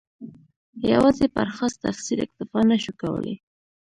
یوازې پر خاص تفسیر اکتفا نه شو کولای.